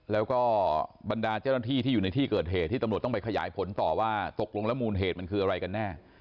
แล้วก็บรรดาเจ้าหน้าที่ที่อยู่ในที่เกิดเหตุที่ตำรวจต้องไปขยายผลต่อว่าตกลงแล้วมูลเหตุมันคืออะไรกันแน่